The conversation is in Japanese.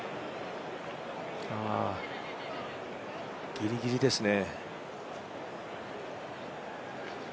ギリギリですね。